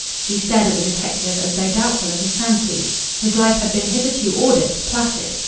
He stared at the detective as though doubtful of his sanity. His life had been hitherto ordered, placid.